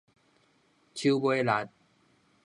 手尾力